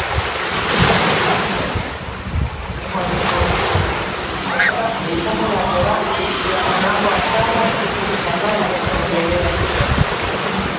walipoitwa ? Katika Kumbu kumbu la torati mlango wa saba kifungu cha nane kuendelea